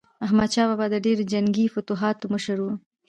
احمدشاه بابا د ډیرو جنګي فتوحاتو مشر و.